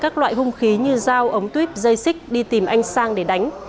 các loại hung khí như dao ống tuyếp dây xích đi tìm anh sang để đánh